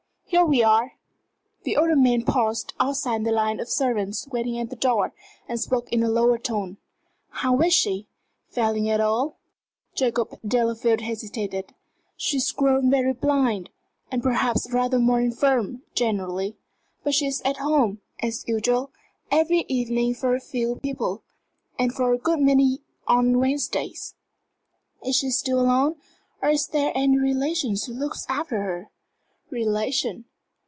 Here we are." The older man paused outside the line of servants waiting at the door, and spoke in a lower tone. "How is she? Failing at all?" Jacob Delafield hesitated. "She's grown very blind and perhaps rather more infirm, generally. But she is at home, as usual every evening for a few people, and for a good many on Wednesdays." "Is she still alone or is there any relation who looks after her?" "Relation?